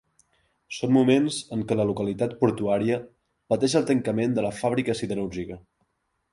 Són moments en el que la localitat portuària pateix el tancament de la fàbrica siderúrgica.